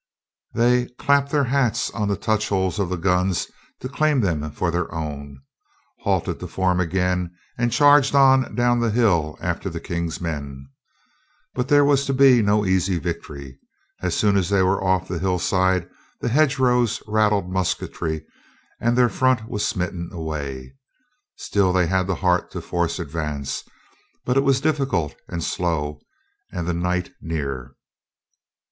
They "clapped their hats on the touch holes of the guns to claim them for their own," halted to form again, and charged on down the hill after the King's men. But there was to be no easy victory. As soon as they were off the hillside the hedge rows rattled musketry, and their front was smitten away. Still they had the heart to force advance, but it was difficult and slow, and the night near.